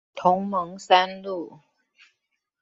同盟三路